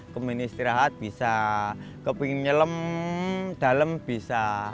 kemudian istirahat bisa kepingin nyelam dalem bisa